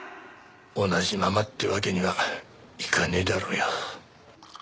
同じままってわけにはいかねえだろうよ。